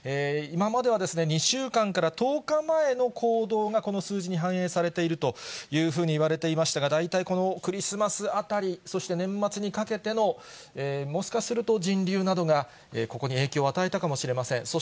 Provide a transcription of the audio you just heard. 今までは２週間から１０日前の行動がこの数字に反映されているというふうに言われていましたが、大体このクリスマスあたり、そして年末にかけての、もしかすると、人流などがここに影響を与えたかもしれません。